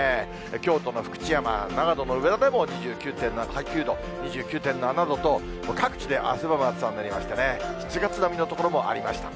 京都の福知山、長野の上田でも２９．７度と、各地で汗ばむ暑さになりましてね、７月並みの所もありました。